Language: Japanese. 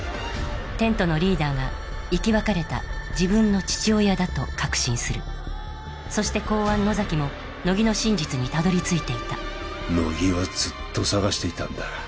テントのリーダーが生き別れた自分の父親だと確信するそして公安野崎も乃木の真実にたどりついていた乃木はずっと捜していたんだ